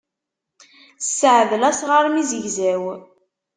Sseɛdel asɣar mi zegzaw.